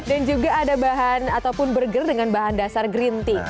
dan juga ada bahan ataupun burger dengan bahan dasar green tea